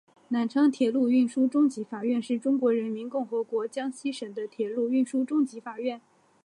南昌铁路运输中级法院是中华人民共和国江西省的铁路运输中级法院。